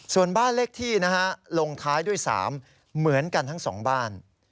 ส่วนบ้านเลขที่นะฮะลงท้ายด้วย๓เหมือนกันทั้ง๒บ้าน